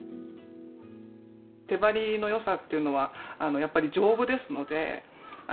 手貼りの良さっていうのはやっぱり丈夫ですので。